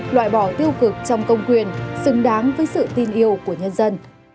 loại bỏ tiêu cực trong công quyền xứng đáng với sự tin yêu của nhân dân